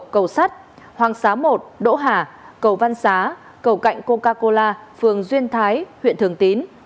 cầu sắt hoàng xá một đỗ hà cầu văn xá cầu cạnh coca cola phường duyên thái huyện thường tín